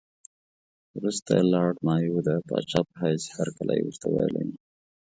وروسته لارډ مایو د پاچا په حیث هرکلی ورته ویلی وو.